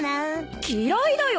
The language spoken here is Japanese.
嫌いだよ